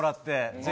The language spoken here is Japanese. ぜひ。